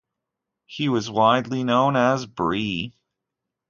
He was widely known as Bree.